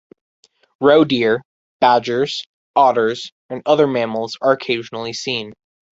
Roe deer, badgers, otters and other mammals are occasionally seen.